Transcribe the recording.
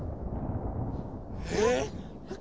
えっ！